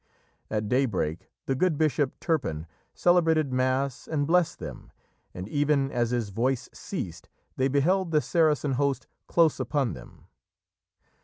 At daybreak the good Bishop Turpin celebrated Mass and blessed them, and even as his voice ceased they beheld the Saracen host close upon them.